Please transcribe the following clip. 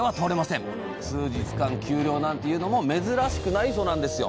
数日間休漁なんていうのも珍しくないそうなんですよ